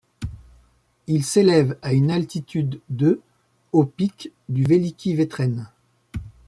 Il s'élève à une altitude de au pic du Veliki Vetren.